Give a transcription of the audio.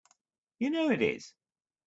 You know it is!